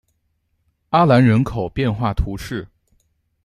阿兰人口变化图示